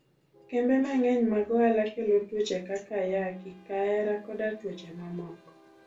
Kembe mang'eny mag ohala kelo tuoche kaka ayaki, kahera, koda tuoche ma moko.